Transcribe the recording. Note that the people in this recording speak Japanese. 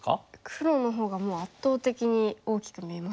黒のほうがもう圧倒的に大きく見えますね。